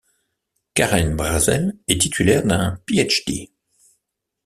Karen Brazell est titulaire d'un Ph.D.